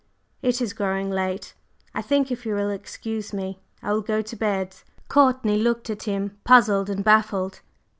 It is growing late; I think, if you will excuse me, I will go to bed." Courtney looked at him puzzled and baffled.